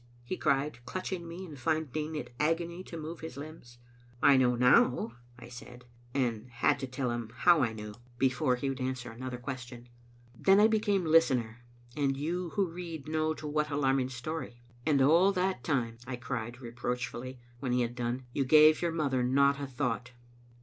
he cried, clutching me, and finding it agony to move his limbs. " I know now/' I said, and had to tell him how I knew Digitized by VjOOQ IC m XCbc Xittle OsiniBtct. before he would answer another question. Then I be came listener, and you who read know to what alarming story. "And all that time," I cried reproachfully, when he had done, "you gave your mother not a thought."